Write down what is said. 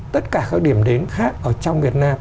tất cả các điểm đến khác ở trong việt nam